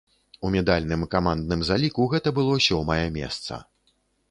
У медальным камандным заліку гэта было сёмае месца.